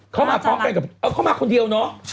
เข้ามาคุ้มกับบุญเซชน์หรือเข้ามาคนเดียว